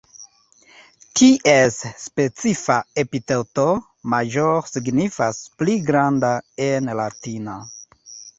Ties specifa epiteto "major", signifas "pli granda" en latina.